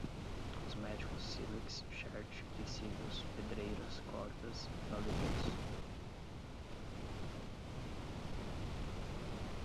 cosméticos, sílex, cherte, utensílios, pedreiras, cortas, galerias